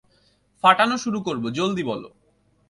ফাটানো শুরু করবো, জলদি বলো।